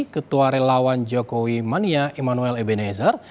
ketua relawan jokowi mania immanuel ebenezer